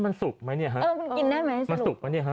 มันสุกไหมเนี่ยฮะมันสุกไหมเนี่ยฮะ